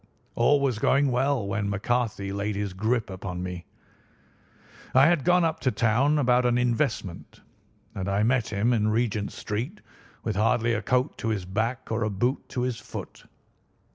All was going well when McCarthy laid his grip upon me. "I had gone up to town about an investment, and I met him in Regent Street with hardly a coat to his back or a boot to his foot.